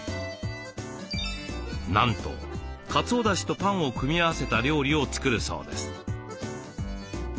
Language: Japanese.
なんとかつおだしとパンを組み合わせた料理を作るそうです。